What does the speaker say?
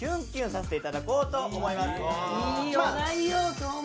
今日も。